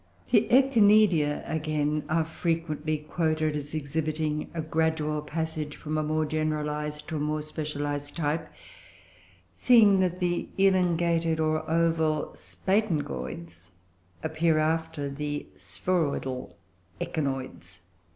The Echinidea, again, are frequently quoted as exhibiting a gradual passage from a more generalised to a more specialised type, seeing that the elongated, or oval, Spatangoids appear after the spheroidal Echinoids.